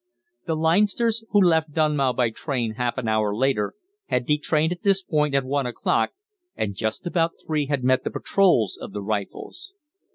The Leinsters, who left Dunmow by train half an hour later, had detrained at this point at one o'clock, and just about three had met the patrols of the Rifles.